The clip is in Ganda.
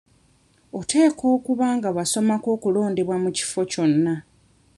Oteekwa okuba nga wasomako okulondebwa mu kifo kyonna.